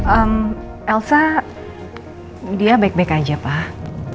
om elsa dia baik baik aja pak